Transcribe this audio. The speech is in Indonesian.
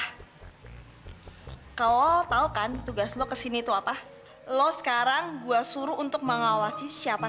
hai kau tahu kan tugas lo kesini itu apa lo sekarang gua suruh untuk mengawasi siapa